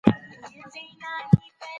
ځمکني زېرمي بايد و سپړل سي.